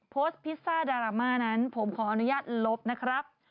พิซซ่าดราม่านั้นผมขออนุญาตลบนะครับ